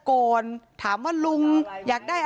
พ่ออยู่ข้างหน้าไหน